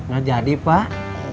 gak jadi pak